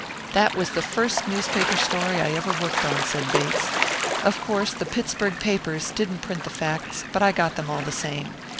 "That was the first newspaper story I ever worked on," said Bates. "Of course, the Pittsburg papers didn't print the facts, but I got them all the same.